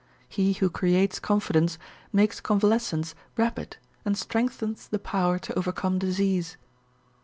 He who creates confidence makes convalescence rapid and strengthens the power to overcome disease.